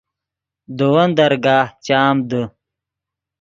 دے ون درگاہ چام دے